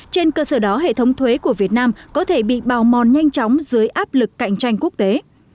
trên cơ sở đó hệ thống thuế của việt nam có thể bị bào mòn nhanh chóng dưới áp lực cạnh tranh quốc tế